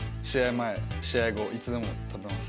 前、試合後、いつでも食べます。